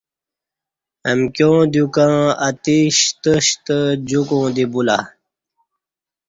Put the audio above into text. امکیاں دیوکں اتکی شتہ شتہ جکوع دی بولہ